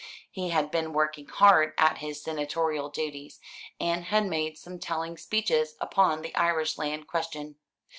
He had been working hard at his senatorial duties, and had made some telling speeches upon the Irish land question.